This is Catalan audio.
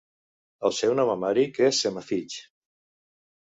El seu nom amhàric és "senafitch".